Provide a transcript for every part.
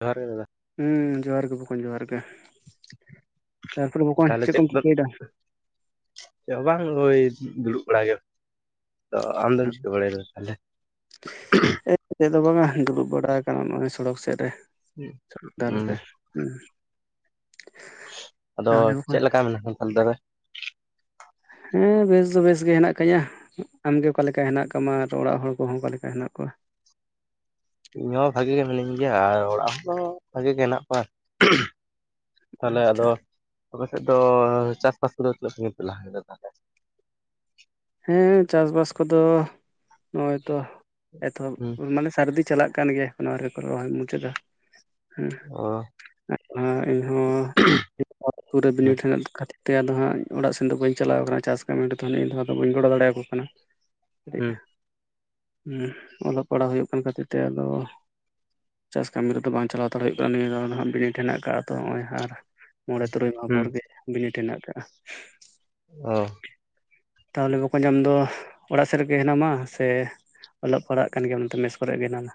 ᱡᱚᱦᱟᱨ ᱜᱮ ᱫᱟᱫᱟ ᱦᱚᱸ ᱡᱚᱦᱟᱨ ᱜᱮ ᱵᱚᱠᱚᱧ ᱡᱚᱦᱟᱨ ᱜᱮ ᱛᱟᱨᱯᱚᱨᱮ ᱵᱚᱠᱚᱧ ᱛᱟᱦᱚᱞᱮ ᱪᱮᱫ ᱠᱚᱢ ᱫᱚ ᱪᱤᱠᱟᱹᱭᱮᱫᱟ᱾ ᱪᱮᱫ ᱦᱚ ᱵᱟᱝ ᱳᱭ ᱫᱩᱲᱩᱵ ᱵᱟᱲᱟ ᱜᱮ ᱛᱚ ᱟᱢᱫᱚᱢ ᱪᱤᱠᱟᱹ ᱵᱟᱲᱟᱭᱟ ᱫᱟ ᱛᱟᱦᱞᱮ᱾ ᱪᱮᱫ ᱫᱚ ᱵᱟᱝ-ᱟ ᱫᱩᱲᱩᱵ ᱵᱟᱲᱟ ᱟᱠᱟᱱᱟ ᱱᱚᱜᱼᱚᱭ ᱥᱚᱲᱚᱠ ᱥᱮᱫ ᱨᱮ᱾ ᱥᱚᱲᱚᱠ ᱫᱷᱟᱨᱮ ᱦᱩᱸ ᱨᱮ ᱦᱮᱸ᱾ ᱟᱫᱚ ᱪᱮᱫ ᱞᱮᱠᱟ ᱢᱮᱱᱟᱜᱼᱟ [inaudible] ᱞᱟ. ᱭ ᱢᱮ᱾ ᱦᱮᱸ ᱵᱮᱥ ᱫᱚ ᱵᱮᱥ ᱜᱮ ᱦᱮᱱᱟᱜ ᱠᱤᱧᱟ, ᱟᱢᱜᱮ ᱚᱠᱟ ᱞᱮᱠᱟ ᱦᱮᱱᱟᱜ ᱠᱟᱢᱟ ᱟᱨ ᱚᱲᱟᱜ ᱦᱚᱲ ᱠᱚᱦᱚᱸ ᱚᱠᱟ ᱞᱮᱠᱟ ᱦᱮᱱᱟᱜ ᱠᱚᱣᱟ᱾ ᱤᱧ ᱦᱚ ᱵᱷᱟᱜᱮ ᱜᱮ ᱢᱤᱱᱟᱹᱧ ᱜᱮᱭᱟ ᱟᱨ ᱚᱲᱟᱜ ᱦᱚᱲᱦᱚ ᱵᱷᱟᱜᱮ ᱜᱮ ᱦᱮᱱᱟᱜ ᱠᱚᱣᱟ᱾ ᱛᱟᱦᱞᱮ ᱟᱪᱪᱷᱟ ᱟᱫᱚ ᱟᱯᱮ ᱥᱮᱫ ᱫᱚ ᱪᱟᱥ ᱵᱟᱥ ᱠᱚᱫᱚ ᱛᱤᱱᱟᱹᱜ ᱥᱟᱜᱤᱧ ᱯᱮ ᱞᱟᱦᱟ ᱠᱮᱫᱟ ᱛᱟᱦᱮᱞᱮ᱾ ᱦᱮᱸ ᱪᱟᱥ ᱵᱟᱥ ᱠᱚᱫᱚ ᱱᱚᱜᱼᱚᱭ ᱛᱚ, ᱮᱛᱚᱦᱚᱵ ᱦᱩᱸ ᱢᱟᱱᱮ ᱥᱟᱹᱨᱫᱤ ᱪᱟᱞᱟᱜ ᱠᱟᱱ ᱜᱮᱭᱟ ᱮᱠᱷᱚᱱᱳ ᱟᱹᱣᱨᱤᱠᱚ ᱨᱚᱦᱚᱭ ᱢᱩᱪᱟᱹᱫ, ᱪᱟᱹᱫᱟ ᱦᱮᱸ ᱚ ᱟᱡ ᱦᱚ ᱤᱧᱦᱚᱸᱼᱼ ᱚᱛ ᱯᱩᱨᱟᱹ ᱦᱩᱸ ᱵᱤᱱᱤᱰ ᱦᱮᱱᱟᱜ ᱠᱷᱟᱹᱛᱤᱨ ᱛᱮ ᱟᱫᱚ ᱦᱟᱜ ᱚᱲᱟᱜ ᱥᱮᱱ ᱫᱚ ᱵᱟᱹᱧ ᱪᱟᱞᱟᱣ ᱟᱠᱟᱱᱟ ᱪᱟᱥ ᱠᱟᱢᱤᱨᱮᱫᱚ ᱱᱤᱭᱟᱹ ᱫᱷᱟᱶᱼᱼ ᱟᱫᱚ ᱵᱟᱹᱧ ᱜᱚᱲᱚ ᱫᱟᱲᱮᱭᱟᱠᱚ ᱠᱟᱱᱟ ᱠᱟᱹᱴᱤᱡ᱾ ᱦᱩᱸ ᱦᱩᱸ ᱚᱞᱚᱜ ᱯᱟᱲᱦᱟᱜ ᱦᱩᱭᱩᱜ ᱠᱟᱱ ᱠᱷᱟᱹᱛᱤᱨ ᱛᱮ ᱟᱫᱚ ᱪᱟᱥ ᱠᱟᱹᱢᱤ ᱨᱮᱫᱚ ᱵᱟᱝ ᱪᱟᱞᱟᱣ ᱦᱟᱛᱟᱲ ᱦᱩᱭᱩᱜ ᱠᱟᱱᱟ ᱱᱤᱭᱟᱹ ᱫᱷᱟᱣ ᱫᱚ ᱦᱟᱸᱜ ᱵᱤᱱᱤᱰ ᱦᱮᱱᱟᱜ ᱠᱟᱜᱼᱟ ᱛᱚ ᱦᱚᱸᱜᱼᱚᱭ ᱟᱨ ᱢᱚᱬᱮ ᱛᱩᱨᱩᱭ ᱢᱟᱦᱟ ᱦᱩᱸ ᱯᱚᱨ ᱜᱮ ᱵᱤᱱᱤᱰ ᱦᱮᱱᱟᱜ ᱠᱟᱜ-ᱟ᱾ ᱚ᱾ ᱛᱟᱦᱚᱞᱮ ᱵᱚᱠᱚᱧ ᱟᱢ ᱫᱚ ᱚᱲᱟᱜ ᱥᱮᱫ ᱨᱮᱜᱮ ᱦᱮᱱᱟᱢᱟ, ᱥᱮ ᱚᱞᱚᱜ ᱯᱟᱲᱦᱟᱜ ᱠᱟᱱ ᱜᱮᱭᱟᱢ ᱱᱚᱛᱮ ᱢᱮᱥ ᱠᱚᱨᱮᱜ ᱜᱮ ᱦᱮᱱᱟᱢᱟ?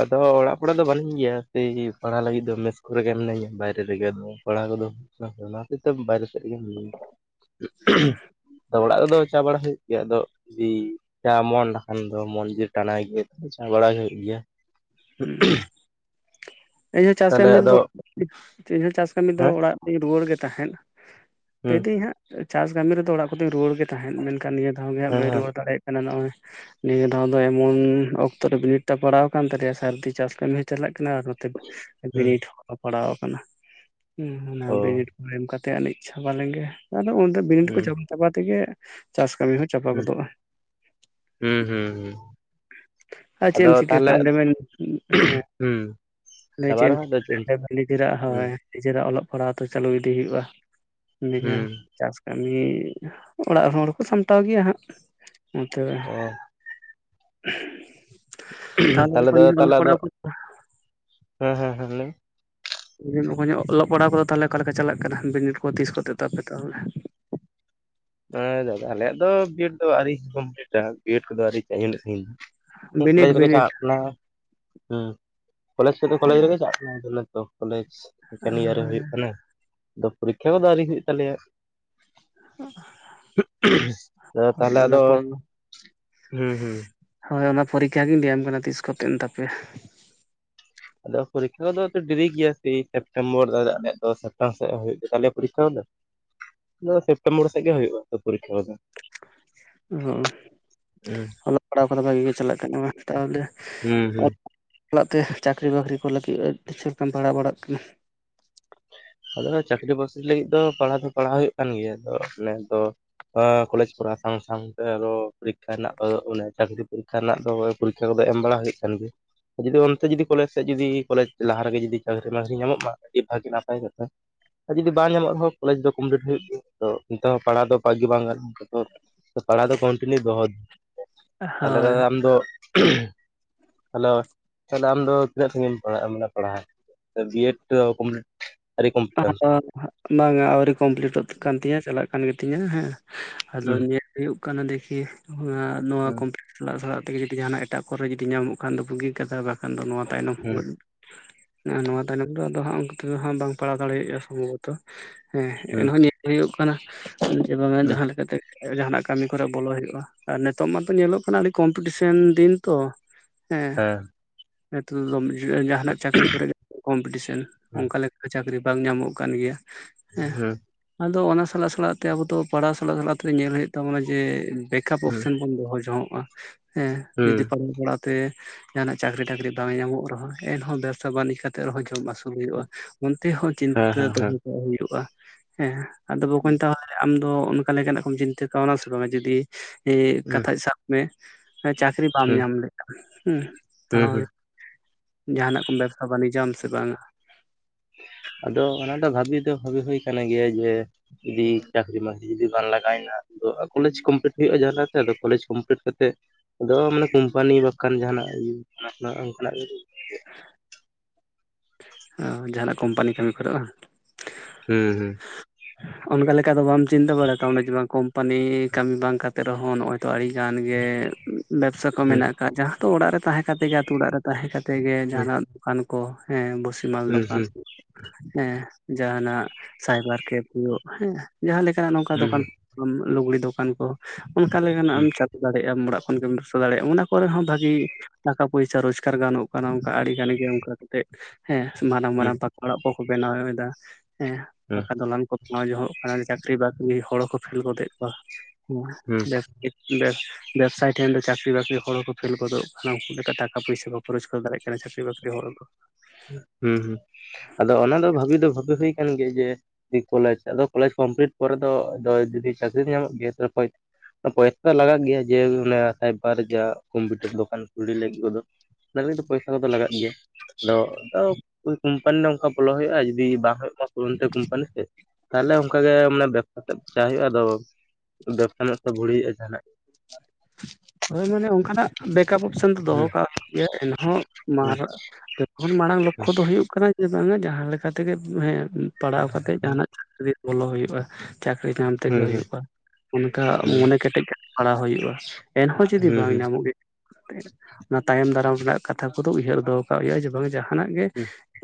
ᱟᱫᱚ ᱚᱲᱟᱜ ᱠᱚᱲᱮ ᱫᱚ ᱵᱟᱱᱩᱧ ᱜᱮᱭᱟ ᱥᱮᱭ ᱯᱟᱲᱦᱟᱜ ᱞᱟᱜᱤᱫ ᱫᱚ ᱢᱮᱥ ᱠᱚᱨᱮ ᱜᱮ ᱢᱤᱱᱟᱹᱧᱟ ᱵᱟᱭᱨᱮ ᱨᱮᱜᱮ ᱟᱫᱚ ᱯᱟᱲᱦᱟᱣ ᱠᱚᱫᱚ ᱚᱱᱟ ᱦᱚᱛᱮᱡ ᱛᱮ ᱵᱟᱭᱨᱮ ᱥᱮᱫᱜᱮ ᱢᱤᱱᱟᱹᱧᱟ᱾ ᱟᱫᱚ ᱚᱲᱟᱜ ᱨᱮᱫᱚ ᱪᱟ ᱵᱟᱲᱟ ᱦᱩᱭᱩᱜ ᱜᱮᱭᱟ ᱟᱫᱚ ᱡᱩᱫᱤ ᱪᱟ ᱢᱚᱱ ᱱᱟᱠᱷᱟᱱ ᱫᱚ ᱢᱚᱱ ᱡᱩᱫᱤ ᱴᱟᱱᱟᱭ ᱜᱮᱭᱟ ᱛᱚ ᱪᱟ ᱵᱟᱲᱟ ᱜᱮ ᱦᱩᱭᱩᱜ ᱜᱮᱭᱟ᱾ [unintelligible] ᱤᱧᱦᱚᱸ ᱪᱟᱥ ᱛᱟᱦᱞᱮ ᱠᱟᱹᱢᱤ ᱨᱮᱫᱚ ᱟᱫᱚ ᱪᱤᱧ ᱦᱚᱸ ᱪᱟᱥ ᱠᱟᱹᱢᱤ ᱫᱚ ᱦᱮᱸ ᱚᱲᱟᱜ ᱛᱤᱧ ᱨᱩᱣᱟᱹᱲ ᱜᱮ ᱛᱟᱦᱮᱸᱫ, ᱛᱟᱹᱭ ᱦᱩᱸ ᱫᱤᱧ ᱦᱟᱸᱜ ᱪᱟᱥ ᱠᱟᱹᱢᱤ ᱨᱮᱫᱚ ᱚᱲᱟᱜ ᱠᱚᱫᱩᱧ ᱨᱩᱭᱟᱹᱲ ᱜᱮ ᱛᱟᱦᱮᱸᱫ ᱢᱮᱱᱠᱷᱟᱱ ᱱᱤᱭᱟᱹ ᱫᱷᱟᱣ ᱜᱮ ᱦᱟᱸᱜ ᱦᱮᱸ ᱵᱟᱹᱧ ᱦᱮᱸ ᱨᱩᱣᱟᱹᱲ ᱫᱟᱲᱮ ᱠᱟᱱᱟ ᱱᱚᱜᱼᱚᱭ, ᱱᱤᱭᱟᱹ ᱫᱷᱟᱣ ᱫᱚ ᱮᱢᱚᱱ ᱚᱠᱛᱚ ᱨᱮ ᱵᱤᱱᱤᱰ ᱴᱟ ᱯᱟᱲᱟᱣ ᱟᱠᱟᱱ ᱛᱟᱞᱮᱭᱟ ᱥᱟᱹᱨᱫᱤ ᱪᱟᱥ ᱠᱟᱹᱢᱤ ᱦᱚᱸ ᱪᱟᱞᱟᱜ ᱠᱟᱱᱟ ᱟᱨᱚ ᱛᱮ ᱦᱩᱸ ᱵᱤᱱᱤᱰ ᱦᱚᱸ ᱯᱟᱲᱟᱣ ᱟᱠᱟᱱᱟ ᱦᱩᱸ ᱚᱱᱟ ᱚ ᱵᱤᱱᱤᱰ ᱠᱚ ᱮᱢ ᱠᱟᱛᱮ ᱛᱮ ᱟᱹᱱᱤᱡ ᱪᱷᱟᱵᱟ ᱞᱮᱱ ᱜᱮ ᱟᱫᱚ ᱩᱱ ᱫᱚ ᱵᱤᱱᱤᱰ ᱠᱚ ᱦᱩᱸ ᱪᱟᱵᱟ ᱪᱟᱵᱟ ᱛᱮᱜᱮ ᱪᱟᱥ ᱠᱟᱹᱢᱤ ᱦᱚᱸ ᱦᱩᱸ ᱜᱚᱫᱚᱜᱼᱟ᱾ ᱦᱩᱸ ᱦᱩᱸ ᱦᱩᱸ ᱟᱨ ᱪᱮᱫ ᱟᱫᱚ ᱮᱢ ᱪᱤᱠᱟᱹ ᱛᱟᱦᱞᱮ ᱠᱟᱜᱼᱟ ᱟ ᱚᱸᱰᱮ ᱢᱮᱱ ᱦᱮᱸ ᱦᱩᱸ᱾ ᱞᱟᱹᱭ ᱪᱟᱵᱟ ᱪᱮᱫ ᱮᱢ ᱨᱮᱦᱚᱸ ᱟᱫᱚ ᱪᱤᱠᱟᱹ ᱪᱤᱠᱟᱹᱭᱟ᱾ ᱫᱟᱲᱮᱭᱟᱜ-ᱟ ᱦᱩᱸ ᱦᱳᱭ᱾ [inaudible] ᱱᱤᱡᱮᱨᱟᱜ ᱚᱞᱚᱜ ᱯᱟᱲᱦᱟᱜᱴᱣ ᱛᱚ ᱪᱟᱹᱞᱩ ᱤᱫᱤ ᱦᱩᱭᱩᱜᱼᱟ ᱱᱤᱭᱟᱹ ᱦᱩᱸ ᱡᱟᱦᱟ ᱪᱟᱥ ᱠᱟᱹᱢᱤ ᱚᱲᱟᱜ ᱦᱚᱲ ᱦᱚᱸᱠᱚ ᱥᱟᱢᱴᱟᱣ ᱜᱮᱭᱟ ᱦᱟᱸᱜ ᱚᱱᱛᱮ ᱚ ᱛᱟᱦᱞᱮ ᱵᱚᱠᱚᱧ ᱚᱞᱚᱜ ᱯᱟᱲᱦᱟᱣ ᱠᱚᱫᱚ ᱦᱩᱸ ᱦᱩᱸ ᱦᱩᱸ ᱞᱟᱹᱭ ᱢᱮ, [unintelligible] ᱵᱚᱠᱚᱧ ᱚᱞᱚᱜ ᱯᱟᱲᱦᱟᱣ ᱠᱚᱫᱚ ᱛᱟᱦᱞᱮ ᱚᱠᱟ ᱞᱮᱠᱟ ᱪᱟᱞᱟᱜ ᱠᱟᱱᱟ ᱵᱤᱱᱤᱰ ᱠᱚ ᱛᱤᱥ ᱠᱚᱛᱮ ᱛᱟᱯᱮ ᱛᱟᱦᱚᱞᱮ? ᱦᱮᱸ ᱫᱟᱫᱟ ᱟᱞᱮᱭᱟᱜ ᱫᱚ ᱵᱤ ᱮᱰ ᱫᱚ ᱟᱹᱣᱨᱤ ᱠᱚᱢᱯᱞᱤᱴᱟ ᱵᱤ ᱮᱰ ᱠᱚᱫᱚ ᱟᱹᱣᱨᱤ ᱤᱱᱟᱹᱜ ᱥᱟᱜᱤᱧ ᱫᱚ ᱾ ᱵᱤᱱᱤᱰ ᱠᱚᱞᱮᱡᱽ ᱨᱮᱠᱚ ᱵᱤᱱᱤᱰ ᱪᱟᱞᱟᱜ ᱠᱟᱱᱟ᱾ ᱦᱮᱸ ᱠᱚᱞᱮᱡᱽ ᱠᱚ ᱫᱚ ᱠᱚᱞᱮᱡᱽ ᱨᱮᱜᱮ ᱪᱟᱜ ᱠᱟᱱᱟ ᱢᱮᱱᱛᱮ ᱚᱱᱮ ᱛᱚ᱾ ᱠᱚᱞᱮᱡᱽ ᱥᱮᱠᱮᱱ ᱤᱭᱟᱨ ᱨᱮ ᱦᱩᱭᱩᱜ ᱠᱟᱱᱟ ᱟᱫᱚ ᱯᱚᱨᱤᱠᱠᱷᱟ ᱠᱚᱫᱚ ᱟᱣᱨᱤ ᱦᱩᱭᱩᱜ ᱛᱟᱞᱮᱭᱟ, ᱦᱮᱸ᱾ [inaudible] ᱫᱟᱫᱟ ᱛᱟᱦᱚᱞᱮ ᱟᱫᱚ, ᱦᱩᱸ ᱦᱩᱸ᱾ ᱦᱳᱭ ᱚᱱᱟ ᱯᱚᱨᱤᱠᱠᱷᱟ ᱜᱤᱧ ᱞᱟᱹᱭᱟᱢ ᱠᱟᱱᱟ ᱛᱤᱥ ᱠᱚᱛᱮᱱ ᱛᱟᱯᱮ? ᱟᱫᱚ ᱯᱚᱨᱤᱠᱠᱷᱟ ᱠᱚᱫᱚ ᱛᱚ ᱰᱮᱨᱤ ᱜᱮᱭᱟ ᱥᱮᱭ ᱥᱮᱯᱴᱮᱢᱵᱚᱨ ᱫᱚ ᱟᱞᱮᱭᱟᱜ ᱫᱚ ᱥᱮᱯᱴᱮᱢᱵᱚᱨ ᱥᱮᱫ ᱦᱩᱭᱩᱜ ᱜᱮ ᱛᱟᱞᱮᱭᱟ ᱯᱚᱨᱤᱠᱠᱷᱟ ᱠᱚᱫᱚ, [unintelligible] ᱟᱫᱚ ᱥᱮᱯᱴᱮᱢᱵᱚᱨ ᱥᱮᱫ ᱜᱮ ᱦᱩᱭᱩᱜᱼᱟ ᱛᱚ ᱯᱚᱨᱤᱠᱠᱷᱟ ᱠᱚᱫᱚ᱾ ᱦᱚᱸ᱾ ᱚᱞᱚᱜ ᱯᱟᱲᱦᱟᱣ ᱠᱚᱫᱚ ᱵᱷᱟᱜᱮ ᱜᱮ ᱪᱟᱞᱟᱜ ᱠᱟᱱᱟ ᱛᱟᱦᱚᱞᱮ, ᱦᱩᱸ ᱦᱩᱸ ᱚᱲᱟᱜ ᱛᱮ ᱪᱟᱹᱠᱨᱤ ᱵᱟᱹᱠᱨᱤ ᱠᱚ ᱞᱟᱹᱜᱤᱫ ᱛᱮ ᱥᱮᱨᱚᱠᱚᱢ ᱯᱟᱲᱦᱟᱣ ᱵᱟᱲᱟᱜ ᱠᱟᱱᱟ? ᱟᱫᱚ ᱱᱟᱜ ᱪᱟᱹᱠᱨᱤ ᱵᱟᱹᱥᱨᱤ ᱞᱟᱹᱜᱤᱫ ᱫᱚ ᱯᱟᱲᱦᱟᱣ ᱫᱚ ᱯᱟᱲᱦᱟᱣ ᱦᱩᱭᱩᱜ ᱠᱟᱱ ᱜᱮᱭᱟ ᱟᱫᱚ ᱱᱮᱥ ᱫᱚ ᱮ ᱠᱚᱞᱮᱡᱽ ᱠᱚᱨᱟᱣ ᱥᱟᱶ ᱥᱟᱶᱛᱮ ᱟᱫᱚ ᱯᱚᱨᱤᱠᱠᱷᱟ ᱨᱮᱱᱟᱜ ᱫᱚ ᱚᱱᱮ ᱪᱟᱹᱠᱨᱤ ᱯᱚᱨᱤᱠᱠᱷᱟ ᱨᱮᱱᱟᱜ ᱫᱚ ᱯᱚᱨᱤᱠᱠᱷᱟ ᱠᱚᱫᱚ ᱮᱢ ᱵᱟᱲᱟ ᱦᱩᱭᱩᱜ ᱠᱟᱱ ᱜᱮᱭᱟ? ᱡᱩᱫᱤ ᱚᱱᱛᱮ ᱡᱩᱫᱤ ᱠᱚᱞᱮᱡᱽ ᱥᱮᱫ ᱡᱩᱫᱤ ᱠᱚᱞᱮᱡᱽ ᱞᱟᱦᱟ ᱨᱮᱜᱮ ᱡᱩᱫᱤ ᱪᱟᱹᱠᱨᱤ ᱵᱟᱹᱠᱨᱤ ᱧᱟᱢᱚᱜ ᱢᱟ᱾ ᱟᱨᱠᱤ ᱱᱟᱯᱟᱭ ᱠᱟᱛᱷᱟ ᱾ ᱟᱨ ᱡᱩᱫᱤ ᱵᱟᱝ ᱧᱟᱢᱚᱜ ᱨᱮᱦᱚᱸ ᱠᱚᱞᱮᱡᱽ ᱫᱚ ᱠᱚᱢᱯᱞᱤᱴ ᱦᱩᱭᱩᱜ ᱜᱮᱭᱟ ᱛᱚ ᱚᱱᱛᱮ ᱦᱚᱸ ᱯᱟᱲᱦᱟᱣ ᱫᱚ ᱵᱟᱜᱤ ᱵᱟᱝ ᱜᱟᱱᱚᱜ [unintelligible] ᱯᱟᱲᱦᱟᱣ ᱫᱚ ᱠᱚᱱᱴᱤᱱᱤᱭᱩ ᱫᱚᱦᱚ, ᱛᱟᱦᱚᱞᱮ ᱦᱳᱭ ᱫᱟᱫᱟ ᱟᱢ ᱫᱚ [unintelligible] ᱦᱮᱞᱳ, ᱛᱟᱦᱚᱞᱮ ᱟᱢᱫᱚ ᱛᱤᱱᱟᱹᱜ ᱥᱟᱺᱜᱤᱧᱮᱢ ᱯᱟᱲᱦᱟᱜᱼᱟ ᱢᱟᱱᱮ ᱯᱟᱲᱦᱟᱣ ᱵᱤ ᱮᱰ ᱮ ᱠᱚᱢᱯᱞᱤᱴ ᱟᱹᱣᱨᱤ ᱠᱚᱢᱯᱞᱤᱴ ᱟᱢ [unintelligible] ᱵᱟᱝᱼᱟ ᱟᱹᱣᱨᱤ ᱠᱚᱢᱯᱞᱤᱴᱚᱜ ᱠᱟᱱ ᱛᱤᱧᱟᱹ ᱪᱟᱞᱟᱜ ᱠᱟᱱ ᱜᱮ ᱛᱤᱧᱟ ᱦᱮᱸ ᱾ ᱟᱫᱚ ᱦᱩᱸ ᱧᱮᱞ ᱦᱩᱭᱩᱜ ᱠᱟᱱᱟ ᱫᱮᱠᱤ ᱱᱚᱣᱟ ᱱᱚᱣᱟ ᱦᱩᱸ ᱠᱚᱢᱯᱤᱞᱤ ᱥᱟᱞᱟᱜ ᱥᱟᱞᱟᱜ ᱛᱮᱜᱮ ᱡᱩᱫᱤ ᱡᱟᱦᱟᱱᱟᱜ ᱮᱴᱟᱜ ᱠᱚᱨᱮ ᱡᱩᱫᱤ ᱧᱟᱢᱚᱜ ᱠᱷᱟᱱ ᱫᱚ ᱵᱩᱜᱤ ᱠᱟᱛᱦᱟ ᱵᱟ ᱠᱷᱟᱱ ᱫᱚ ᱱᱚᱣᱟ ᱛᱟᱭᱱᱚᱢ ᱦᱩᱸ ᱱᱚᱣᱟ ᱛᱟᱭᱱᱚᱢ ᱨᱮ ᱟᱫᱚ ᱦᱟᱸᱜ ᱩᱱᱠᱩ ᱛᱮᱫᱚ ᱦᱟᱸᱜ ᱵᱟᱝ ᱛᱟᱲᱟ ᱛᱟᱲᱤ ᱦᱮᱸ ᱦᱩᱸ ᱮᱱᱦᱚᱸ ᱧᱮᱞ ᱦᱩᱭᱩᱜ ᱠᱟᱱᱟ ᱡᱮ ᱵᱟᱝ ᱦᱩᱸ ᱡᱟᱦᱟᱸ ᱞᱮᱠᱟᱛᱮ ᱡᱟᱦᱟᱱᱟᱜ ᱠᱟᱹᱢᱤ ᱠᱚᱨᱮ ᱵᱚᱞᱚ ᱦᱩᱭᱩᱜᱼᱟ ᱟᱨ ᱱᱤᱛᱚᱜ ᱢᱟᱛᱚ ᱧᱮᱞᱚᱜ ᱠᱟᱱᱟ ᱟᱹᱰᱮ ᱠᱚᱢᱯᱤᱴᱤᱥᱮᱱ ᱫᱤᱱ ᱛᱚ᱾ ᱦᱮᱸ᱾ ᱱᱤᱛᱚᱜ ᱫᱚ ᱡᱟᱦᱟᱱᱟᱜ ᱪᱟᱹᱠᱨᱤ ᱠᱚᱨᱮ ᱠᱚᱢᱯᱤᱴᱤᱥᱮᱱ ᱦᱩᱸ ᱚᱱᱠᱟ ᱞᱮᱠᱟ ᱪᱟᱹᱠᱨᱤ ᱵᱟᱝ ᱧᱟᱢᱚᱜ ᱠᱟᱱ ᱜᱮᱭᱟ᱾ ᱦᱩᱸ [inaudible] ᱟᱫᱚ ᱚᱱᱟ ᱥᱟᱞᱟᱜ ᱥᱟᱞᱟᱜ ᱛᱮ ᱟᱵᱚ ᱫᱚ ᱯᱟᱲᱦᱟᱣ ᱥᱟᱞᱟᱜ ᱥᱟᱞᱟᱜ ᱛᱮ ᱧᱮᱞ ᱦᱩᱭᱩᱜ ᱛᱟᱵᱚᱱᱟ ᱡᱮ ᱵᱮᱠᱟᱯ ᱦᱩᱸ ᱚᱯᱥᱮᱱ ᱵᱚᱱ ᱫᱚᱦᱚ ᱡᱚᱝᱚᱜᱼᱟ ᱦᱮᱸ ᱦᱩᱸ ᱡᱩᱫᱤ ᱯᱟᱞᱚᱢᱟᱲᱟᱜ ᱛᱮ ᱡᱟᱦᱟᱱᱟᱜ ᱪᱟᱹᱠᱨᱤ ᱴᱟᱹᱠᱨᱤ ᱵᱟᱝ ᱧᱟᱢᱚᱜ ᱨᱮᱦᱚ ᱮᱱᱦᱚ ᱵᱮᱵᱽᱥᱟ ᱵᱟᱱᱤᱡᱽ ᱠᱟᱛᱮᱜ ᱨᱮᱦᱚᱸ ᱡᱚᱢ ᱟᱹᱥᱩᱞ ᱦᱩᱭᱩᱜᱼᱟ᱾ ᱚᱱᱛᱮ ᱦᱚᱸ ᱦᱮᱸ ᱪᱤᱱᱛᱟᱹ ᱦᱮᱸ ᱦᱮᱸ ᱫᱚᱦᱚ ᱦᱚ ᱦᱩᱭᱩᱜᱼᱟ ᱦᱮᱸ ᱟᱫᱚ ᱵᱟᱠᱚ ᱢᱮᱛᱟ ᱟᱢ ᱟᱫᱚ ᱚᱱᱠᱟ ᱞᱮᱠᱟᱱᱟᱜ ᱠᱚᱢ ᱪᱤᱱᱛᱟᱹ ᱠᱟᱣᱱᱟ ᱥᱮ ᱵᱟᱝᱟ ᱡᱩᱫᱤ ᱮ ᱦᱩᱸ ᱦᱩᱸ ᱠᱟᱛᱷᱟ ᱥᱟᱵ ᱢᱮ ᱪᱟᱠᱨᱤ ᱵᱟᱢ ᱦᱩᱸ ᱧᱟᱢ ᱞᱮ ᱦᱮᱸ ᱦᱩᱸ ᱛᱟᱦᱚᱞᱮ ᱡᱟᱦᱟᱱᱟᱜ ᱠᱚᱢ ᱵᱮᱵᱥᱟ ᱵᱟᱱᱤᱡᱟᱢ ᱥᱮ ᱵᱟᱝᱟ? ᱟᱫᱚ ᱚᱱᱟ ᱫᱚ ᱵᱷᱟᱵᱤ ᱫᱚ ᱵᱷᱟᱵᱤ ᱦᱩᱭ ᱠᱟᱱ ᱜᱮᱭᱟ ᱡᱮ ᱡᱩᱫᱤ ᱪᱟᱹᱠᱨᱤ ᱢᱟᱹᱠᱨᱤ ᱡᱩᱫᱤ ᱵᱟᱝ ᱞᱟᱜᱟᱣᱮᱱᱟ ᱟᱫᱚ ᱠᱚᱞᱮᱡᱽ ᱠᱚᱢᱯᱞᱤᱴ ᱦᱩᱭᱩᱜᱼᱟ ᱡᱟᱦᱟ ᱞᱮᱠᱟᱛᱮ ᱟᱫᱚ ᱠᱚᱞᱮᱡᱽ ᱠᱚᱢᱯᱞᱤᱴ ᱠᱟᱛᱮ ᱟᱫᱚ ᱠᱳᱢᱯᱟᱱᱤ ᱡᱟᱦᱟᱱᱟᱜ ᱚᱱᱠᱟᱱᱟᱜ ᱜᱮ [unintelligible] ᱚ ᱡᱟᱦᱟᱱᱟᱜ ᱠᱳᱢᱯᱟᱱᱤ ᱠᱟᱹᱢᱤ ᱠᱚᱨᱮᱜ ᱵᱟᱝ? ᱦᱩᱸ ᱦᱩᱸ᱾ ᱚᱱᱠᱟ ᱞᱮᱠᱟ ᱫᱚ ᱵᱟᱢ ᱪᱤᱱᱛᱟᱹ ᱵᱟᱲᱟᱠᱟᱣᱟ ᱡᱮ ᱵᱟᱝ ᱠᱳᱢᱯᱟᱱᱤ ᱠᱟᱹᱢᱤ ᱵᱟᱝ ᱠᱟᱛᱮᱜ ᱨᱮᱦᱚᱸ ᱱᱚᱜᱼᱚᱭ ᱛᱚ ᱟᱹᱰᱤ ᱜᱟᱱ ᱜᱮ ᱵᱮᱵᱽᱥᱟ ᱠᱚ ᱦᱩᱸ ᱢᱮᱱᱟᱜ ᱟᱠᱟᱫ ᱡᱟᱦᱟᱸ ᱫᱚ ᱚᱲᱟᱜ ᱨᱮ ᱛᱟᱦᱮᱸ ᱠᱟᱛᱮ ᱜᱮ ᱟᱛᱳ ᱚᱲᱟᱜ ᱨᱮ ᱛᱟᱦᱮᱸ ᱠᱟᱛᱮ ᱜᱮ ᱦᱩᱸ ᱡᱟᱦᱟᱱᱟᱜ ᱫᱚᱠᱟᱱ ᱠᱚ ᱦᱮᱸ ᱵᱩᱥᱤ ᱢᱟᱞ ᱦᱩᱸ ᱫᱚᱠᱟᱱ᱾ ᱦᱩᱸ ᱦᱮᱸ ᱡᱟᱦᱟᱱᱟᱜ ᱥᱟᱭᱵᱟᱨ ᱠᱮᱯ ᱦᱩᱭᱩᱜ ᱦᱮᱸ ᱡᱟᱦᱟᱸ ᱞᱮᱠᱟᱱᱟᱜ ᱱᱚᱝᱠᱟ ᱦᱩᱸ ᱦᱩᱸ ᱦᱩᱸ ᱫᱚᱠᱟᱱ ᱦᱩᱸ ᱞᱩᱜᱽᱲᱤ ᱫᱚᱠᱟᱱ ᱠᱚ ᱚᱱᱠᱟ ᱞᱮᱠᱟᱱᱟᱜ ᱮᱢ ᱪᱟᱞ ᱫᱟᱲᱮᱭᱟᱜᱼᱟᱢ ᱚᱲᱟᱜ ᱠᱷᱚᱱ ᱜᱮᱢ ᱫᱤᱥᱚ ᱫᱟᱲᱮᱭᱟᱜᱼᱟ ᱚᱱᱟ ᱠᱚᱨᱮ ᱦᱚ ᱵᱷᱟᱜᱤ ᱴᱟᱠᱟ ᱯᱚᱭᱥᱟ ᱨᱳᱡᱽᱜᱟᱨ ᱜᱟᱱᱚᱜ ᱠᱟᱱᱟ ᱚᱱᱠᱟ ᱟᱹᱰᱤᱜᱟᱱ ᱜᱮ ᱚᱱᱠᱟ ᱦᱮᱸ ᱢᱟᱨᱟᱝ ᱢᱟᱨᱟᱝ ᱯᱟᱠᱟ ᱚᱲᱟᱜ ᱠᱚᱠᱚ ᱵᱮᱱᱟᱣ ᱮᱫᱟ ᱦᱮᱸ ᱯᱟᱠᱟ ᱫᱚᱞᱟᱱ ᱠᱚ ᱱᱚ ᱡᱚᱦᱚᱜ ᱦᱩᱭᱩᱜ ᱠᱟᱱᱟ ᱪᱟᱹᱠᱨᱤ ᱵᱟᱹᱠᱨᱤ ᱦᱚᱲ ᱦᱚᱸᱠᱚ ᱯᱷᱮᱞ ᱜᱚᱫᱮᱜ ᱠᱚᱣᱟ ᱦᱩᱸ ᱦᱩᱸ ᱵᱮᱵᱽᱥᱟᱭ ᱴᱷᱮᱱ ᱫᱚ ᱪᱟᱠᱨᱤ ᱵᱟᱹᱠᱨᱤ ᱦᱚᱲᱠᱚ ᱯᱷᱮᱞ ᱜᱚᱫᱚᱜ ᱠᱟᱱᱟ ᱩᱱᱠᱩ ᱞᱮᱠᱟ ᱴᱟᱠᱟ ᱯᱚᱭᱥᱟ ᱠᱚᱠᱚ ᱨᱳᱡᱽᱜᱟᱨ ᱫᱟᱲᱮᱭᱟᱜ ᱠᱟᱱᱟ ᱪᱟᱹᱠᱨᱤ ᱵᱟᱹᱠᱨᱤ ᱦᱚᱲ ᱠᱚ ᱦᱩᱸ ᱦᱩᱸ ᱟᱫᱚ ᱚᱱᱟ ᱫᱚ ᱵᱷᱟᱵᱤ ᱫᱚ ᱵᱷᱟᱵᱤ ᱦᱩᱭ ᱠᱟᱱ ᱜᱮᱭᱟ ᱡᱮ ᱠᱚᱞᱮᱡᱽ ᱟᱫᱚ ᱠᱚᱞᱮᱡᱽ ᱠᱚᱢᱯᱞᱤᱴ ᱯᱚᱨᱮ ᱫᱚ ᱡᱩᱫᱤ ᱪᱟᱹᱠᱨᱤ ᱫᱚ ᱧᱟᱢᱚᱜ ᱜᱮᱭᱟ ᱛᱟᱦᱚᱞᱮ [inaudible] ᱯᱚᱭᱥᱟ ᱞᱟᱜᱟᱜ ᱜᱮᱭᱟ ᱡᱮ ᱚᱱᱟ ᱥᱟᱭᱵᱟᱨ ᱡᱟ ᱠᱚᱢᱯᱤᱭᱩᱴᱟᱨ ᱫᱚᱠᱟᱱ ᱠᱩᱞᱤ ᱞᱟᱹᱜᱤᱫ ᱫᱚ ᱾ [inaudible] ᱯᱚᱭᱥᱟ ᱠᱚᱫᱚ ᱞᱟᱜᱟᱜ ᱜᱮᱭᱟ ᱟᱫᱚ ᱟᱫᱚ ᱠᱳᱢᱯᱟᱱᱤ ᱱᱠᱟ ᱵᱚᱞᱚ ᱦᱩᱭᱩᱜᱼᱟ ᱡᱩᱫᱤ ᱵᱟᱝ ᱦᱩᱭᱩᱜ ᱚᱱᱛᱮ ᱠᱳᱢᱯᱟᱱᱤ ᱥᱮ ᱛᱟᱦᱚᱞᱮ ᱚᱱᱠᱟᱜᱮ ᱢᱟᱱᱮ ᱵᱮ ᱪᱟ ᱦᱩᱭᱩᱜᱼᱟ ᱟᱫᱚ ᱵᱮᱵᱽᱥᱟ ᱢᱮᱢᱥᱟ ᱵᱷᱩᱲᱤ ᱦᱩᱭᱩᱜᱼᱟ ᱡᱟᱦᱟᱱᱟᱜ ᱜᱮ ᱾ ᱦᱳᱭ ᱢᱟᱱᱮ ᱚᱱᱠᱟᱱᱟᱜ ᱵᱮᱠᱟᱯ ᱚᱯᱥᱮᱱ ᱫᱚ ᱫᱚᱦᱚ ᱦᱩᱸ ᱠᱟᱜ ᱜᱮᱭᱟ ᱮᱱᱦᱚᱸ ᱦᱩᱸ ᱢᱟᱨ [unintelligible] ᱢᱟᱲᱟᱝ ᱞᱚᱠᱠᱷᱚ ᱫᱚ ᱦᱩᱭᱩᱜ ᱠᱟᱱᱟ ᱡᱮ ᱵᱟᱝᱟ ᱡᱟᱦᱟᱸ ᱞᱮᱠᱟ ᱛᱮᱜᱮ ᱦᱮᱸ ᱯᱟᱲᱦᱟᱣ ᱠᱟᱛᱮ ᱦᱩᱸ ᱡᱟᱦᱟᱸᱱᱟᱜ ᱪᱟᱹᱠᱨᱤ ᱵᱚᱞᱚ ᱦᱩᱭᱩᱜᱼᱟ ᱪᱟᱹᱠᱨᱤ ᱧᱟᱢ ᱛᱮᱜᱮ ᱦᱩᱸ ᱦᱩᱸ ᱦᱩᱭᱩᱜᱼᱟ ᱚᱱᱠᱟ ᱦᱩᱸ ᱢᱚᱱᱮ ᱠᱮᱴᱮᱡ ᱯᱟᱲᱦᱟᱣ ᱦᱩᱭᱩᱜᱼᱟ ᱮᱱᱦᱚᱸ ᱡᱩᱫᱤ ᱦᱩᱸ ᱦᱩᱸ ᱵᱟᱝ ᱦᱩᱸ ᱧᱟᱢᱚᱜ ᱜᱮ ᱚᱱᱟ ᱛᱟᱭᱚᱢ ᱫᱟᱨᱟᱢ ᱨᱮᱱᱟᱜ ᱠᱟᱛᱷᱟ ᱠᱚᱫᱚ ᱩᱭᱦᱟᱹᱨ ᱫᱚᱦᱚ ᱠᱟᱜ ᱦᱩᱭᱩᱜᱼᱟ ᱡᱮ ᱵᱟᱝ ᱡᱟᱦᱟᱸᱱᱟᱜ ᱜᱮ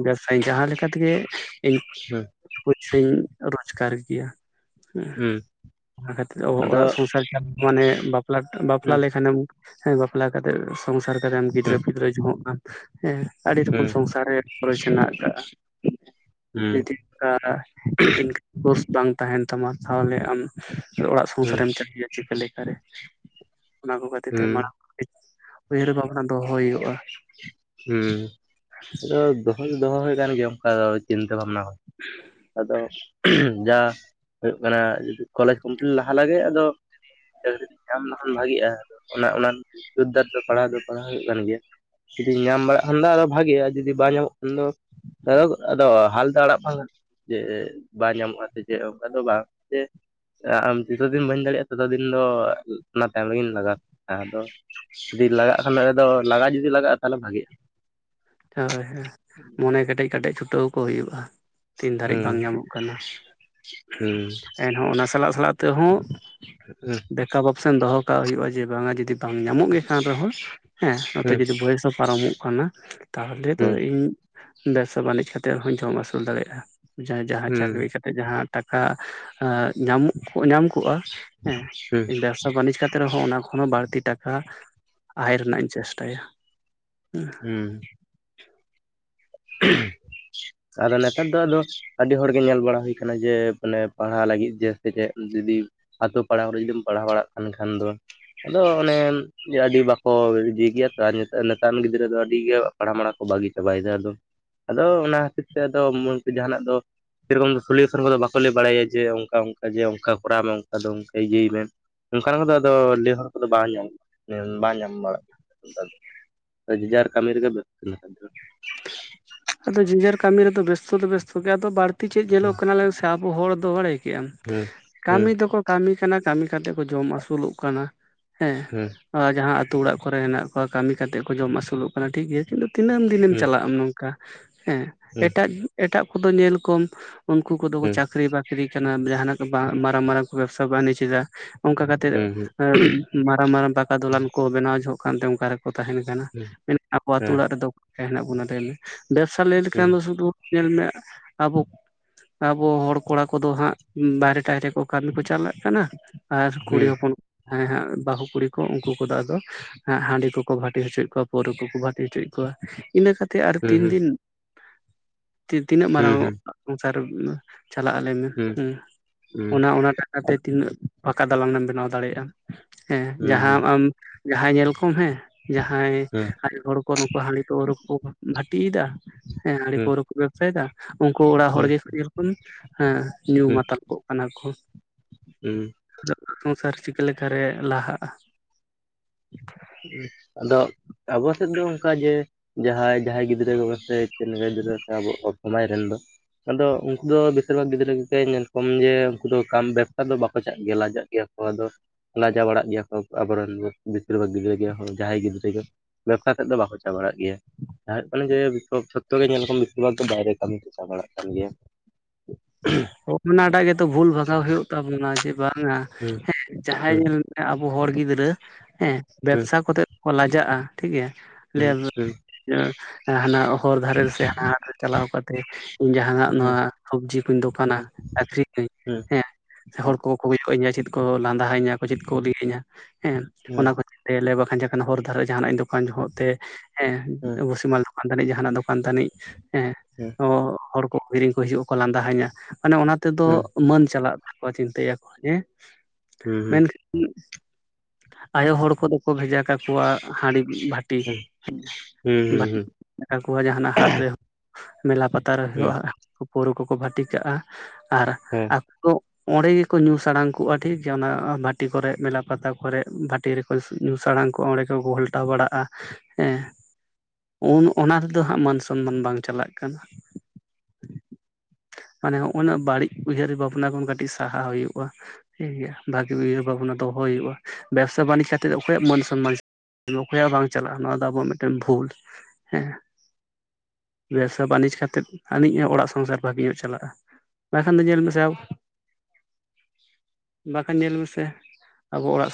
ᱡᱟᱹᱥ ᱡᱟᱦᱟᱸ ᱞᱮᱠᱟ ᱛᱮᱜᱮ ᱤᱧ ᱦᱩᱸ ᱯᱩᱭᱥᱟᱹᱧ ᱨᱳᱡᱽᱜᱟᱨ ᱜᱮᱭᱟ। ᱦᱩᱸ ᱦᱮᱸ ᱟᱫᱚ ᱚᱲᱟᱜ ᱥᱚᱝᱥᱟᱨ ᱪᱟᱞᱟᱣ ᱢᱟᱱᱮ ᱵᱟᱯᱞᱟ ᱠᱟᱛᱮ ᱵᱟᱢ ᱦᱩᱸ ᱮᱠᱷᱟᱱᱮᱢ ᱦᱮᱸ ᱵᱟᱯᱞᱟ ᱠᱟᱛᱮ ᱥᱚᱝᱥᱟᱨ ᱠᱟᱛᱮᱢ ᱜᱤᱫᱽᱨᱟᱹ ᱦᱩᱸ ᱯᱤᱫᱽᱨᱟᱹ ᱡᱷᱚᱜ ᱠᱟᱱ ᱦᱮᱸ ᱟᱹᱰᱤ ᱨᱚᱠᱚᱢ ᱦᱩᱸ ᱥᱚᱝᱥᱟᱨ ᱨᱮ ᱠᱷᱚᱨᱚᱪ ᱦᱮᱱᱟᱜ ᱟᱠᱟᱜᱼᱟ। ᱦᱩᱸ ᱡᱩᱫᱤ ᱚᱱᱠᱟ ᱤᱱᱠᱟᱢ ᱥᱳᱨᱥ ᱵᱟᱝ ᱛᱟᱦᱮᱱ ᱛᱟᱢᱟ ᱛᱟᱦᱚᱞᱮ ᱟᱢ ᱚᱲᱟᱜ ᱦᱩᱸ ᱥᱚᱝᱥᱟᱨᱮᱢ ᱪᱟᱹᱞᱩᱭᱟ ᱪᱤᱠᱟᱹ ᱞᱮᱠᱟᱨᱮ ᱾ ᱚᱱᱟ ᱠᱚ ᱠᱷᱟᱹᱛᱤᱨ ᱛᱮ ᱦᱩᱸ ᱢᱟᱲᱟᱝ [unintelligible] ᱩᱭᱦᱟᱹᱨ ᱵᱷᱟᱵᱽᱱᱟ ᱫᱚᱦᱚᱭ ᱦᱩᱭᱩᱜᱼᱟ ᱾ ᱦᱮᱸ ᱟᱫᱚ ᱫᱚᱦᱚ ᱫᱚ ᱫᱚᱦᱚ ᱦᱩᱭ ᱠᱟᱱ ᱜᱮᱭᱟ ᱫᱚ ᱚᱱᱠᱟ ᱪᱤᱱᱛᱟᱹ ᱵᱷᱟᱵᱽᱱᱟ ᱟᱫᱚ ᱡᱟ ᱦᱩᱭᱩᱜ ᱠᱟᱱᱟ ᱡᱤᱫᱤ ᱠᱚᱞᱮᱡᱽ ᱠᱚᱢᱯᱞᱤᱴ ᱞᱟᱦᱟ ᱞᱟᱜᱮ ᱟᱫᱚ ᱪᱟᱹᱠᱨᱤ ᱧᱟᱢ ᱞᱮᱠᱷᱟᱱ ᱵᱷᱟᱹᱜᱤᱜᱼᱟ ᱚᱱᱟ ᱚᱱᱟ ᱡᱩᱨᱫᱟᱨ ᱫᱚ ᱯᱟᱲᱦᱟᱣ ᱫᱚ ᱯᱟᱲᱦᱟᱣ ᱦᱩᱭᱩᱜ ᱠᱟᱱ ᱜᱮᱭᱟ ᱾ ᱡᱩᱫᱤ ᱧᱟᱢ ᱵᱟᱲᱟᱜ ᱠᱷᱟᱱ ᱫᱚ ᱟᱫᱚ ᱵᱷᱟᱹᱜᱤᱜᱼᱟ ᱡᱩᱫᱤ ᱵᱟᱝ ᱧᱟᱢᱚᱜ ᱠᱷᱟᱱ ᱫᱚ ᱟᱫᱚ ᱦᱟᱞ ᱫᱚ ᱟᱲᱟᱜ ᱵᱟᱝ ᱜᱟᱱᱚᱜᱼᱟ ᱾ ᱡᱮ ᱵᱟᱝ ᱧᱟᱢᱚᱜᱼᱟ ᱥᱮ ᱪᱮᱫ ᱚᱱᱠᱟ ᱫᱚ ᱵᱟᱝ ᱡᱮ ᱟᱢ ᱡᱚᱛᱚ ᱫᱤᱱ ᱵᱟᱹᱧ ᱫᱟᱲᱮᱭᱟᱜᱼᱟ ᱛᱚᱛᱚ ᱫᱤᱱ ᱫᱚ ᱚᱱᱟ ᱛᱟᱭᱚᱢ ᱨᱮᱜᱤᱧ ᱞᱟᱜᱟᱣᱟ ᱾ ᱟᱫᱚ ᱡᱩᱫᱤ ᱞᱟᱜᱟᱜ ᱠᱷᱟᱱᱫᱚ ᱞᱟᱜᱟ ᱡᱩᱫᱤ ᱞᱟᱜᱟᱜᱼᱟ ᱛᱟᱦᱚᱞᱮ ᱵᱷᱟᱹᱜᱤᱜᱼᱟ ᱾ ᱦᱚᱭ ᱦᱚᱭ ᱢᱚᱱᱮ ᱠᱮᱴᱮᱡ ᱠᱮᱴᱮᱡ ᱪᱷᱩᱴᱟᱹᱣ ᱠᱚ ᱦᱩᱭᱩᱜᱼᱟ ᱛᱤᱱ ᱫᱷᱟᱹᱨᱤᱡ ᱦᱩᱸ ᱵᱟᱝ ᱧᱟᱢᱚᱜᱼᱟ ᱾ ᱠᱟᱱᱟ ᱾ ᱦᱩᱸ ᱾ ᱮᱱᱦᱚᱸ ᱚᱱᱟ ᱥᱟᱞᱟᱜ ᱥᱟᱞᱟᱜ ᱛᱮᱦᱚᱸ [unintelligible] ᱫᱮᱠᱟ ᱵᱚᱠᱥᱮᱱ ᱫᱚᱦᱚ ᱠᱟᱜ ᱦᱩᱭᱩᱜᱼᱟ ᱡᱮ ᱵᱟᱝᱟ ᱡᱩᱫᱤ ᱛᱟᱝ ᱧᱟᱢᱚᱜ ᱜᱮ ᱠᱟᱱ ᱨᱮᱦᱚᱸ ᱦᱮᱸ ᱱᱚᱛᱮ ᱡᱩᱫᱤ ᱵᱚᱭᱮᱥ ᱦᱚᱸ ᱯᱟᱨᱚᱢᱚᱜ ᱠᱟᱱᱟ ᱛᱟᱦᱚᱞᱮ ᱫᱚ ᱦᱩᱸ ᱤᱧ ᱵᱮᱵᱽᱥᱟ ᱵᱟᱹᱱᱤᱡᱽ ᱠᱟᱛᱮ ᱦᱚᱧ ᱡᱚᱢ ᱟᱹᱥᱩᱞ ᱫᱟᱲᱮᱭᱟᱜᱼᱟ ᱡᱟᱦᱟᱸ ᱡᱟᱦᱟᱸ ᱦᱩᱸ ᱪᱟᱹᱠᱨᱤ ᱠᱟᱛᱮ ᱡᱟᱦᱟᱸ ᱴᱟᱠᱟ ᱟᱻ ᱧᱟᱢᱚᱜ ᱧᱟᱢ ᱠᱚᱜᱼᱟ ᱦᱩᱸ ᱦᱮᱸ ᱵᱮᱵᱽᱥᱟ ᱵᱟᱹᱱᱤᱡᱽ ᱠᱟ ᱛᱮ ᱨᱮᱦᱚᱸ ᱚᱱᱟ ᱠᱷᱚᱱ ᱦᱚᱸ ᱵᱟᱹᱲᱛᱤ ᱴᱟᱠᱟ ᱟᱭ ᱨᱮᱱᱟᱜ ᱤᱧ ᱪᱮᱥᱴᱟᱭᱟ ᱦᱩᱸ ᱾ ᱦᱩᱸ ᱾ [unintelligible] ᱛᱟᱦᱞᱮ ᱱᱮᱛᱟᱨ ᱫᱚ ᱟᱫᱚ ᱟᱹᱰᱤ ᱦᱚᱲᱜᱮ ᱧᱮᱞ ᱵᱟᱲᱟ ᱦᱩᱭ ᱠᱟᱱᱟ ᱡᱮ ᱢᱟᱱᱮ ᱯᱟᱲᱦᱟᱜ ᱞᱟᱹᱜᱤᱫ ᱡᱮ ᱥᱮ ᱪᱮᱫ ᱡᱩᱫᱤ ᱟᱛᱳ ᱯᱟᱲᱟ ᱠᱚᱨᱮ ᱡᱩᱫᱤᱢ ᱯᱟᱲᱦᱟᱣ ᱵᱟᱲᱟᱜ ᱠᱟᱱ ᱠᱷᱟᱱ ᱫᱚ ᱟᱫᱚ ᱚᱱᱮᱢ ᱡᱮ ᱟᱹᱰᱤ ᱵᱟᱠᱚ ᱡᱤᱜᱮᱭᱟᱥᱟ ᱱᱮᱛᱟ ᱱᱮᱛᱟᱨ ᱨᱮᱱ ᱜᱤᱫᱽᱨᱟᱹ ᱫᱚ ᱟᱹᱰᱤ ᱜᱮ ᱯᱟᱲᱟ ᱢᱟᱲᱟ ᱠᱚ ᱵᱟᱹᱜᱤ ᱪᱟᱵᱟᱭᱮᱫᱟ ᱟᱫᱚ ᱟᱫᱚ ᱚᱱᱟ ᱦᱚᱛᱮ ᱛᱮᱫᱚ ᱢᱩᱲᱩᱛ ᱡᱟᱦᱟᱸᱱᱟᱜ ᱫᱚ ᱥᱮᱨᱚᱠᱚᱢ ᱫᱚ ᱥᱚᱞᱤᱭᱩᱥᱚᱱ ᱠᱚᱫᱚ ᱵᱟᱠᱚ ᱞᱟᱹᱭ ᱵᱟᱲᱟᱭᱟ ᱡᱮ ᱚᱱᱠᱟ ᱚᱱᱠᱟ ᱡᱮ ᱚᱱᱠᱟ ᱠᱚᱨᱟᱣ ᱢᱮ ᱚᱱᱠᱟ ᱫᱚ ᱚᱱᱠᱟ ᱤᱭᱟᱹᱭ ᱢᱮ ᱚᱱᱠᱟᱱ ᱠᱚᱫᱚ ᱟᱫᱚ ᱞᱟᱹᱭ ᱦᱚᱲ ᱠᱚᱫᱚ ᱵᱟᱝ ᱧᱟᱢ ᱵᱟᱝ ᱧᱟᱢ ᱵᱟᱲᱟᱜ ᱫᱚ ᱚᱱᱠᱟ ᱫᱚ ᱾ ᱡᱮ ᱡᱟᱨ ᱠᱟᱹᱢᱤ ᱨᱮᱜᱮ ᱵᱮᱥᱛᱷᱚ ᱱᱮᱛᱟᱨ ᱫᱚ ᱾ ᱟᱫᱚ ᱡᱮ ᱡᱟᱨ ᱠᱟᱹᱢᱤ ᱨᱮᱫᱚ ᱵᱮᱥᱛᱚ ᱫᱚ ᱵᱮᱥᱛᱚ ᱜᱮ ᱟᱫᱚ ᱵᱟᱹᱲᱛᱤ ᱪᱮᱫ ᱧᱮᱞᱚᱜ ᱠᱟᱱᱟ ᱞᱟᱹᱭ ᱢᱮᱥᱮ? ᱟᱵᱚ ᱦᱚᱲ ᱫᱚ ᱵᱟᱲᱟᱹᱭ ᱠᱮᱜᱼᱟᱢ ᱦᱩᱸ ᱦᱩᱸ ᱠᱟᱹᱢᱤ ᱫᱚᱠᱚ ᱠᱟᱹᱢᱤ ᱠᱟᱱᱟ ᱠᱟᱹᱢᱤ ᱠᱟᱛᱮᱜ ᱠᱚ ᱡᱚᱢ ᱟᱹᱥᱩᱞᱚᱜ ᱠᱟᱱᱟ ᱦᱮᱸ ᱾ ᱦᱮᱸ ᱾ ᱡᱟᱦᱟᱸ ᱟᱛᱳ ᱚᱲᱟᱜ ᱠᱚᱨᱮ ᱦᱮᱱᱟᱜ ᱠᱚ ᱠᱟᱹᱢᱤ ᱠᱟᱛᱮᱫ ᱠᱚ ᱡᱚᱢ ᱟᱹᱥᱩᱞᱚᱜ ᱠᱟᱱᱟ ᱴᱷᱤᱠᱜᱮ ᱠᱤᱱᱛᱩ ᱛᱤᱱᱟᱹᱢ ᱫᱤᱱᱮᱢ ᱦᱩᱸ ᱪᱟᱞᱟᱜ ᱟᱢ ᱱᱚᱝᱠᱟ ᱦᱮᱸ ᱦᱩᱸ ᱮᱴᱟᱜ ᱮᱴᱟᱜ ᱠᱚᱫᱚ ᱧᱮᱞ ᱠᱚᱢ ᱩᱱᱠᱩ ᱠᱚᱫᱚ ᱠᱚ ᱦᱩᱸ ᱪᱟᱹᱠᱨᱤ ᱵᱟᱹᱠᱨᱤ ᱠᱟᱱᱟ ᱡᱟᱦᱟᱱᱟᱜ ᱵᱟ ᱢᱟᱨᱟᱝ ᱢᱟᱨᱟᱝ ᱠᱚ ᱵᱮᱵᱽᱥᱟ ᱵᱟᱱᱤᱡ ᱮᱫᱟ᱾ ᱚᱱᱠᱟ ᱠᱟᱛᱮᱜ ᱢᱟᱨᱟᱝ ᱢᱟᱨᱟᱝ ᱯᱟᱠᱟ ᱫᱚᱞᱟᱱ ᱠᱚ ᱵᱮᱱᱟᱣ ᱡᱚᱦᱚᱜ ᱠᱟᱱᱛᱮ ᱚᱱᱠᱟ ᱨᱮᱠᱚ ᱛᱟᱦᱮᱱ ᱠᱟᱱᱟ᱾ ᱢᱮᱱ ᱟᱵᱚ ᱟᱛᱩ ᱚᱲᱟᱜ ᱨᱮᱫᱚ ᱚ ᱦᱮᱱᱟᱜ ᱵᱚᱱᱟ ᱞᱟᱹᱭ ᱵᱮᱵᱽᱥᱟ ᱞᱟᱹᱭ ᱞᱮᱠᱷᱟᱱ ᱫᱚ ᱥᱩᱫᱩ ᱧᱮᱞ ᱢᱮ ᱟᱵᱚ ᱟᱵᱚ ᱦᱚᱲ ᱠᱚᱲᱟ ᱠᱚᱫᱚ ᱦᱟᱸᱜ ᱵᱟᱦᱨᱮ ᱴᱟᱦᱨᱮ ᱠᱚ ᱠᱟᱹᱢᱤ ᱠᱚ ᱪᱟᱞᱟᱜ ᱠᱟᱱᱟ᱾ ᱟᱨ ᱠᱩᱲᱤ ᱦᱚᱯᱚᱱ ᱡᱟᱦᱟᱸᱭ ᱦᱟᱸᱜ ᱵᱟᱹᱦᱩ ᱠᱩᱲᱤ ᱠᱚ ᱩᱱᱠᱩ ᱠᱚᱫᱚ ᱟᱫᱚ ᱦᱟᱺᱰᱤ ᱠᱚᱠᱚ ᱵᱷᱟᱹᱴᱤ ᱦᱚᱪᱚᱭᱮᱫ ᱠᱚᱣᱟ ᱯᱟᱹᱣᱨᱟᱹ ᱠᱚᱠᱚ ᱵᱷᱟᱴᱤ ᱦᱚᱪᱚᱭᱮᱫ ᱠᱚᱣᱟ᱾ ᱤᱱᱟᱹ ᱠᱟᱛᱮ ᱟᱨ ᱛᱤᱱ ᱫᱤᱱ ᱛᱤᱱᱟᱹᱜ ᱢᱟᱨᱟᱝ ᱥᱚᱝᱥᱟᱨ ᱪᱟᱞᱟᱜ-ᱟ ᱞᱮ ᱢᱮ, ᱦᱮᱸ ᱚᱱᱟ ᱚᱱᱟ ᱴᱟᱠᱟ ᱛᱮ ᱛᱤᱱᱟᱹᱜ ᱯᱷᱟᱠᱟ ᱫᱟᱞᱟᱝ ᱮᱢ ᱵᱮᱱᱟᱣ ᱫᱟᱲᱮᱭᱟᱜᱼᱟ? ᱦᱮᱸ ᱡᱟᱦᱟᱸ ᱟᱢ ᱡᱟᱦᱟᱸ ᱧᱮᱞ ᱠᱚᱢ ᱦᱮᱸ ᱡᱟᱦᱟᱸᱭ ᱟᱭᱳ ᱦᱚᱲ ᱠᱚ ᱱᱩᱠᱩ ᱦᱟᱺᱰᱤ ᱯᱟᱹᱣᱨᱟᱹ ᱠᱚ ᱵᱷᱟᱴᱤᱭᱮᱫᱟ ᱦᱮᱸ ᱦᱟᱺᱰᱤ ᱯᱟᱹᱣᱨᱟᱹ ᱥᱟᱹᱭᱮᱫᱟ ᱩᱱᱠᱩ ᱚᱲᱟᱜ ᱦᱚᱲ ᱜᱮ ᱧᱮᱞ ᱠᱚᱢ ᱦᱮᱸ ᱧᱩ ᱢᱟᱛᱟᱞ ᱠᱚᱜ ᱠᱟᱱᱟ ᱠᱚ᱾ ᱦᱮᱸ ᱥᱚᱝᱥᱟᱨ ᱪᱤᱠᱟᱹ ᱞᱮᱠᱟᱨᱮ ᱞᱟᱦᱟᱜᱼᱟ? ᱟᱫᱚ ᱟᱵᱚ ᱥᱮᱫ ᱫᱚ ᱚᱱᱠᱟ ᱡᱮ ᱡᱟᱦᱟᱸᱭ ᱡᱟᱦᱟᱸᱭ ᱜᱤᱫᱽᱨᱟᱹ ᱠᱚᱜᱮ ᱥᱮ ᱪᱮᱱᱠᱟ ᱜᱤᱫᱽᱨᱟᱹ ᱥᱮ ᱟᱵᱚ ᱥᱚᱢᱟᱭ ᱨᱮᱱ ᱫᱚ ᱟᱫᱚ ᱩᱱᱠᱩ ᱫᱚ ᱵᱮᱥᱤᱨ ᱵᱷᱟᱜᱽ ᱜᱤᱫᱽᱨᱟᱹ ᱠᱚᱜᱮ ᱧᱮᱞ ᱠᱚᱢ ᱡᱮ ᱩᱱᱠᱩ ᱵᱮᱵᱽᱥᱟ ᱫᱚ ᱵᱟᱠᱚ ᱪᱟᱜ ᱜᱮᱭᱟ ᱞᱟᱡᱟᱜ ᱜᱮᱭᱟ ᱠᱚ ᱟᱫᱚ ᱞᱟᱡᱟᱣ ᱵᱟᱲᱟᱜ ᱜᱮᱭᱟ ᱠᱚ ᱟᱵᱚᱨᱮᱱ ᱫᱚ ᱵᱮᱥᱤᱨ ᱵᱷᱟᱜᱽ ᱜᱤᱫᱽᱨᱟᱹ ᱜᱮ, ᱡᱟᱦᱟᱸᱭ ᱜᱤᱫᱽᱨᱟᱹ ᱜᱮ ᱵᱮᱵᱽᱥᱟ ᱥᱮᱫ ᱫᱚ ᱵᱟᱠᱚ ᱪᱟ ᱵᱟᱲᱟᱜ ᱜᱮᱭᱟ ᱡᱟᱦᱟᱸ ᱦᱩᱭᱩᱜ ᱠᱟᱱᱟ ᱡᱮ ᱛᱚ ᱡᱷᱚᱛᱚ ᱜᱮ ᱧᱮᱞ ᱠᱚ ᱵᱮᱥᱤᱨ ᱵᱷᱟᱜ ᱫᱚ ᱵᱟᱭᱨᱮ ᱠᱟᱹᱢᱤ ᱠᱚ ᱪᱟᱣ ᱵᱟᱲᱟᱜ ᱠᱟᱱ ᱜᱮᱭᱟ᱾ ᱚᱱᱟᱴᱟᱜ ᱜᱮᱛᱚ ᱵᱷᱩᱞ ᱵᱷᱟᱜᱟᱣ ᱦᱩᱭᱩᱜ ᱛᱟᱵᱚᱱᱟ ᱡᱮ ᱵᱟᱝᱟ ᱦᱮᱸ ᱡᱟᱦᱟᱸᱭ ᱧᱮᱞ ᱟᱵᱚ ᱦᱚᱲ ᱜᱤᱫᱽᱨᱟᱹ ᱦᱮᱸ ᱵᱮᱵᱽᱥᱟ ᱠᱚᱨᱮᱫ ᱠᱚ ᱞᱟᱡᱟᱜᱼᱟ, ᱴᱷᱤᱠᱜ ᱜᱮᱭᱟ ᱦᱟᱱᱟ ᱦᱚᱨ ᱫᱷᱟᱨᱮ ᱥᱮ ᱦᱟᱱᱟ ᱦᱟᱴ ᱪᱟᱞᱟᱣ ᱠᱟᱛᱮᱜ ᱡᱟᱦᱱᱟᱜ ᱱᱚᱣᱟ ᱥᱚᱵᱽᱡᱤ ᱠᱚᱧ ᱫᱚᱠᱟᱱᱟ ᱟᱠᱷᱨᱤᱧᱟᱹᱧ ᱦᱮᱸ ᱦᱚᱲ ᱠᱚ ᱠᱚ ᱠᱚᱭᱚᱜ ᱤᱧᱟᱹ ᱪᱮᱫ ᱠᱚ ᱞᱟᱸᱫᱟ ᱟᱸᱧᱟ ᱪᱮᱫ ᱠᱚ ᱞᱟᱹᱭᱤᱧᱟ ᱦᱮᱸ ᱚᱱᱟ ᱠᱚ ᱵᱟᱠᱷᱟᱱ ᱡᱚᱠᱷᱚᱱ ᱦᱚᱨ ᱫᱷᱟᱨᱮ ᱡᱟᱦᱱᱟᱜ ᱫᱚᱠᱟᱱ ᱡᱚᱦᱚᱜ ᱛᱮ ᱦᱮᱸ ᱵᱩᱥᱤᱢᱟᱞ ᱫᱚᱠᱟᱱ ᱛᱟᱱᱤᱡ ᱡᱟᱦᱱᱟᱜ ᱫᱚᱠᱟᱱ ᱫᱚᱠᱟᱱ ᱛᱟᱱᱤᱡ ᱦᱮᱸ ᱦᱚᱲ ᱠᱚ ᱠᱤᱨᱤᱧ ᱠᱚ ᱦᱤᱡᱩᱜ ᱟᱠᱚ ᱞᱟᱸᱫᱟ ᱟᱸᱧᱟ ᱢᱟᱱᱮ ᱚᱱᱟ ᱛᱮᱫᱚ ᱢᱟᱹᱱ ᱪᱟᱞᱟᱜ ᱛᱟᱠᱚᱣᱟ ᱪᱤᱱᱛᱟᱹᱭᱟ ᱠᱚ ᱦᱮᱸ ᱢᱮᱱ ᱟᱭᱳ ᱦᱚᱲ ᱠᱚᱫᱚ ᱠᱚᱫᱚ ᱠᱚ ᱵᱷᱮᱡᱟ ᱠᱟᱠᱚᱣᱟ ᱦᱟᱺᱰᱤ ᱵᱷᱟᱴᱤ ᱴᱤ ᱡᱟᱦᱟᱱᱟᱜ ᱦᱟᱴ ᱨᱮ ᱢᱮᱞᱟ ᱯᱟᱛᱟᱨ ᱨᱮ ᱦᱩᱭᱩᱜᱼᱟ, ᱯᱟᱹᱣᱨᱟᱹ ᱠᱚᱠᱚ ᱵᱷᱟᱹᱴᱤ ᱠᱟᱜᱼᱟ, ᱟᱨ ᱚᱸᱰᱮ ᱜᱮᱠᱚ ᱧᱩ ᱥᱟᱲᱟᱝ ᱠᱚᱜᱼᱟ ᱴᱷᱤᱠ ᱜᱮᱭᱟ ᱚᱱᱟ ᱵᱷᱟᱴᱤ ᱠᱚᱨᱮ ᱢᱮᱞᱟ ᱯᱟᱛᱟ ᱠᱚᱨᱮ ᱵᱷᱟᱴᱤ ᱨᱮ ᱧᱩ ᱥᱟᱟᱲᱟᱝ ᱠᱚᱜ ᱚᱸᱰᱮ ᱜᱮᱠᱚ ᱜᱷᱚᱞᱴᱟᱣ ᱵᱟᱲᱟᱜᱼᱟ, ᱦᱮᱸ ᱩᱱ ᱚᱱᱟ ᱨᱮᱫᱚ ᱦᱟᱸᱜ ᱢᱟᱹᱱ ᱥᱚᱱᱢᱟᱱ ᱵᱟᱝ ᱪᱟᱞᱟᱜ ᱠᱟᱱᱟ᱾ ᱢᱟᱱᱮ ᱦᱚᱜᱼᱱᱚᱣᱟ ᱵᱟᱹᱲᱤᱡ ᱩᱭᱦᱟᱹᱨ ᱵᱷᱟᱵᱱᱟ ᱠᱷᱚᱱ ᱠᱟᱹᱴᱤᱡ ᱥᱟᱦᱟ ᱦᱩᱭᱩᱜᱼᱟ᱾ ᱴᱷᱤᱠ ᱜᱮᱭᱟ ᱵᱷᱟᱜᱤ ᱩᱭᱦᱟᱹᱨ ᱵᱷᱟᱵᱱᱟ ᱫᱚᱦᱚ ᱦᱩᱭᱩᱜᱼᱟ, ᱵᱮᱵᱽᱥᱟ ᱵᱟᱱᱤᱡᱽ ᱠᱟᱛᱮᱫ ᱫᱚ ᱚᱠᱚᱭᱟᱜ ᱢᱟᱹᱱ ᱥᱚᱱᱢᱟᱱ ᱚᱠᱚᱭᱟᱜ ᱵᱟᱝ ᱪᱟᱞᱟᱜᱼᱟ, ᱱᱚᱣᱟ ᱫᱚ ᱟᱵᱚᱣᱟᱜ ᱢᱤᱫᱴᱮᱱ ᱵᱷᱩᱞ ᱦᱮᱸ ᱵᱮᱵᱽᱥᱟ ᱵᱟᱹᱱᱤᱡᱽ ᱠᱟᱛᱮᱫ ᱟᱹᱱᱤᱡ ᱚᱲᱟᱜ ᱥᱚᱝᱥᱟᱨ ᱵᱷᱟᱜᱮ ᱧᱚᱜ ᱪᱟᱞᱟᱜᱼᱟ, ᱵᱟᱠᱷᱟᱱ ᱫᱚ ᱧᱮᱞ ᱢᱮᱥᱮ ᱵᱟᱠᱷᱟᱱ ᱧᱮᱞ ᱢᱮᱥᱮ ᱟᱵᱚ ᱚᱲᱟᱜ